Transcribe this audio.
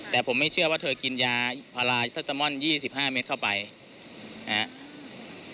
แต่ผมไม่เชื่อว่าเธอกินยา๒๕เมตรเข้าไปนะฮะ